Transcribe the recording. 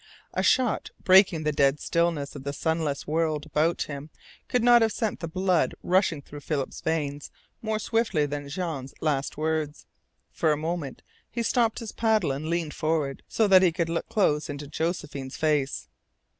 A shot breaking the dead stillness of the sunless world about him could not have sent the blood rushing through Philip's veins more swiftly than Jean's last words. For a moment he stopped his paddling and leaned forward so that he could look close into Josephine's face.